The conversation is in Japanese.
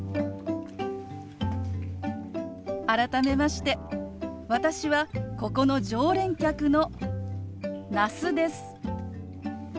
改めまして私はここの常連客の那須です。